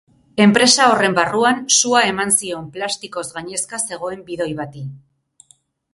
Enpresa horren barruan, sua eman zion plastikoz gainezka zegoen bidoi bati.